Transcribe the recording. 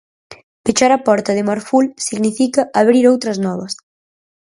Pechar a porta de Marful significa abrir outras novas?